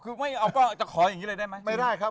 คือไม่เอาก็จะขออย่างนี้เลยได้ไหมไม่ได้ครับ